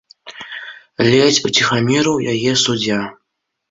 Ледзь уціхамірыў яе суддзя.